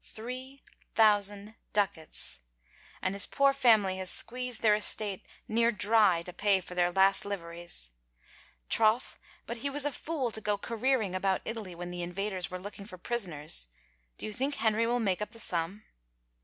Three — thousand — duc ats 1 And his poor family has squeezed their estate near 145 THE FAVOR OF KINGS dry to pay for their last liveries. Troth, but he was a fool to go careering about Italy when the invaders were looking for prisoners! ... Do you think Henry will make up the sum